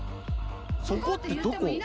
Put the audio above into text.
そこってどこ？